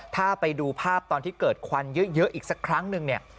ถ้าไปดูภาพตอนที่เกิดควันเยอะอีกสักครั้งนึงเนี่ย